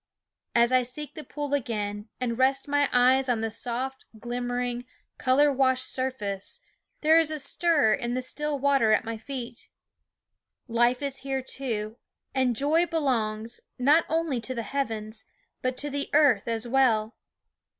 ^~ r , A T ,', ZneG/adsome As I seek the pool again, and rest my eyes on the soft, glimmering, color washed surface, there is a stir in the still water at my feet. Life is here too ; and joy belongs, not only to the heavens, but to the earth as well.